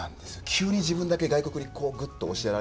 急に自分だけ外国にグッと押しやられる感じがすると。